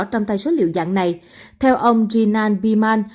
trong tài số liệu dạng này theo ông jinan biman